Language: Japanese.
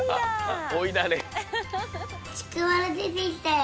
ちくわがでてきたよ。